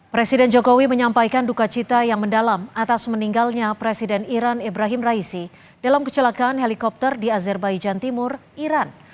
presiden jokowi menyampaikan duka cita yang mendalam atas meninggalnya presiden iran ibrahim raisi dalam kecelakaan helikopter di azerbaijan timur iran